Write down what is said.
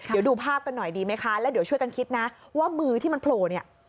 เดี๋ยวดูภาพกันหน่อยดีไหมคะแล้วเดี๋ยวช่วยกันคิดนะว่ามือที่มันโผล่เนี่ย